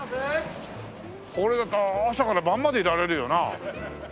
これだと朝から晩までいられるよな。